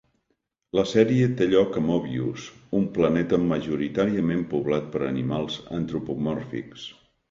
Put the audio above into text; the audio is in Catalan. La sèrie té lloc a Mobius, un planeta majoritàriament poblat per animals antropomòrfics.